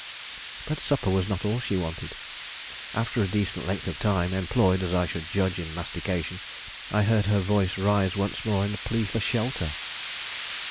But supper was not all she wanted. After a decent length of time, employed as I should judge in mastication, I heard her voice rise once more in a plea for shelter.